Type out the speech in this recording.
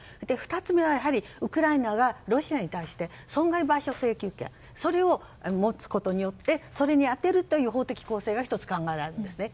２つ目はウクライナがロシアに対して損害賠償請求権を持つことによってそれに充てるという法的構成が考えられるんですね。